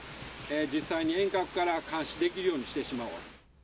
実際に遠隔から監視できるようにしてしまおうと。